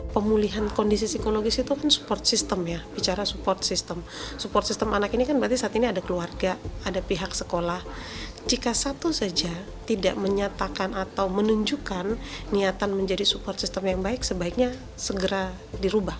pemulihan kondisi psikologis bersatu padu untuk mendukung proses pemulihan psikologis korban pasca trauma